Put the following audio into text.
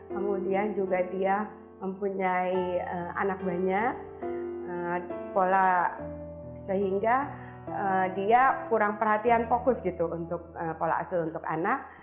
kemudian juga dia mempunyai anak banyak pola sehingga dia kurang perhatian fokus gitu untuk pola asuh untuk anak